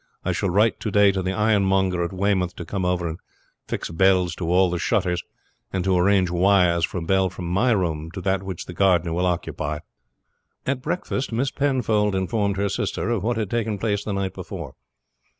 I shall write to day to the ironmonger at Weymouth to come over and fix bells to all the shutters, and to arrange wires for a bell from my room to that which the gardener will occupy." At breakfast Miss Penfold informed her sister of what had taken place the night before.